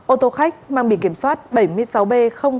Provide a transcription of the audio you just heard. ô tô khách mang bị kiểm soát bảy mươi sáu b sáu trăm sáu mươi